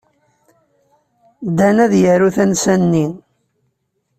Dan ad yaru tansa-nni.